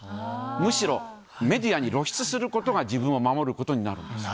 むしろメディアに露出することが、自分を守ることになるんです。